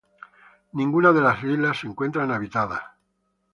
Ninguna de las islas se encuentra habitada.